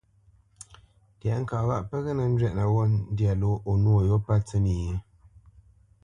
Tɛ̌ŋka ghâʼ pə́ ghê nə́ njwɛ́ʼnə ghô ndyâ ló o nwô yô pə́ tsə́nyê?